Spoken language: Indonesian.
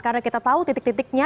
karena kita tahu titik titiknya